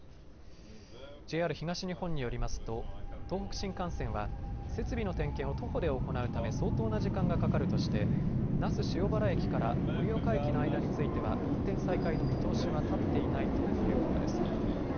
ＪＲ東日本によりますと東北新幹線は設備の点検を徒歩で行うため相当な時間がかかるとして那須塩原駅から盛岡駅の間については運転再開の見通しは立っていないということです。